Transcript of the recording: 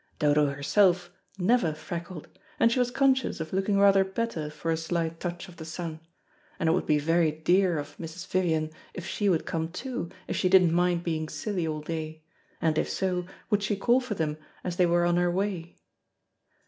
Dodo herself never freckled, and she was conscious of looking rather better for a slight touch of the sun, and it would be very dear of Mrs. Vivian if she would come too, if she didn't mind being silly all day; and, if so, would she call for them, as they were on her way?